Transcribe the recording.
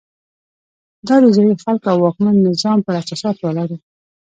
دا د ځايي خلکو او واکمن نظام پر اساساتو ولاړ وو.